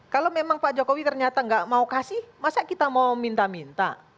kalau memang pak jokowi ternyata nggak mau kasih masa kita mau minta minta